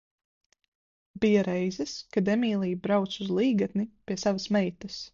Bija reizes kad Emīlija brauca uz Līgatni pie savas meitas.